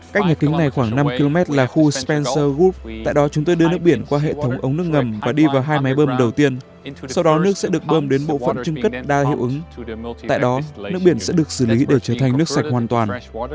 cách nhà kính này khoảng năm km là khu spencer group tại đó chúng tôi đưa nước biển qua hệ thống ống nước ngầm và đi vào hai máy bơm đầu tiên sau đó nước sẽ được bơm đến bộ phận trưng cất đa hiệu ứng tại đó nước biển sẽ được xử lý để trở thành nước sạch hoàn toàn